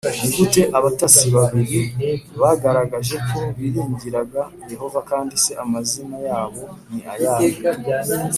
Ni gute abatasi babiri bagaragaje ko biringiraga Yehova kandi se amazina yabo ni ayahe